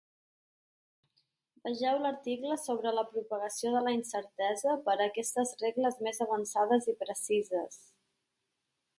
Vegeu l'article sobre la propagació de la incertesa per a aquestes regles més avançades i precises.